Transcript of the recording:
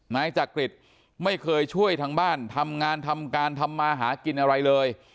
นายจักริตไม่เคยช่วยทางบ้านทำงานทำการทำมาหากินอะไรเลย